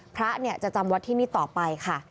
พระจะจำวัดที่นี่ต่อไปค่ะ